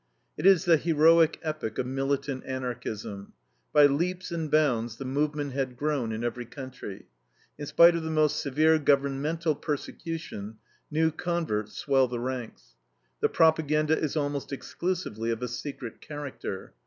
It is the heroic epoch of militant Anarchism. By leaps and bounds the movement had grown in every country. In spite of the most severe governmental persecution new converts swell the ranks. The propaganda is almost exclusively of a secret character.